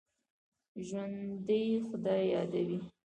ژوندي خدای یادوي